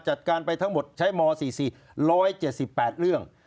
จัดการไปทั้งหมดใช้ม๔๔๑๗๘เรื่อง